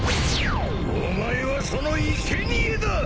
お前はそのいけにえだ！